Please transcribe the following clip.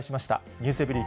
ｎｅｗｓｅｖｅｒｙ．